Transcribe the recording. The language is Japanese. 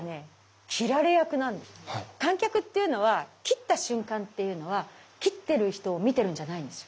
観客っていうのは斬った瞬間っていうのは斬ってる人を見てるんじゃないんですよ。